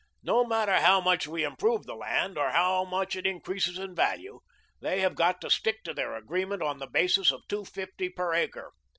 No matter how much we improve the land, or how much it increases in value, they have got to stick by their agreement on the basis of two fifty per acre.